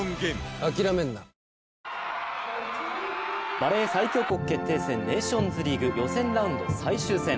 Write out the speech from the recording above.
バレー最強国決定戦ネーションズリーグ予選ラウンド最終戦。